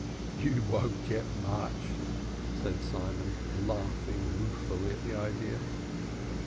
"You won't get much," said Simon, laughing ruefully at the idea.